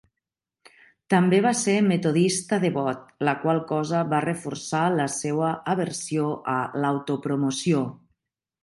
També va ser metodista devot, la qual cosa va reforçar la seva aversió a l'autopromoció.